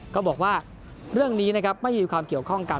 ก็บอกว่าเรื่องนี้นะครับไม่มีความเกี่ยวข้องกับ